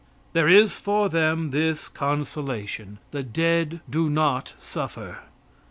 There is for them this consolation: The dead do not suffer.